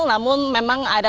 namun memang ada